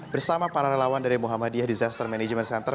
bersama para relawan dari muhammadiyah disaster management center